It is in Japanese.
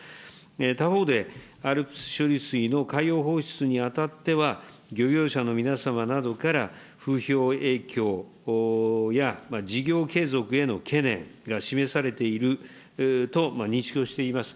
他方で、ＡＬＰＳ処理水の海洋放出にあたっては、漁業者の皆様などから、風評影響や、事業継続への懸念が示されていると認識をしています。